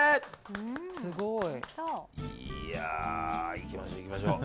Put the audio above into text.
行きましょう、行きましょう。